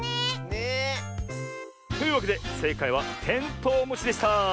ねえ。というわけでせいかいはテントウムシでした。